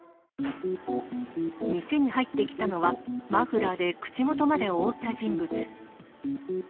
店に入ってきたのは、マフラーで口元まで覆った人物。